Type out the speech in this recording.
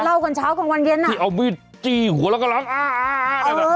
เท่ากันเช้ากันวันเด็นนะพี่เอามือจี้หัวแล้วก็รั้งอ่าละ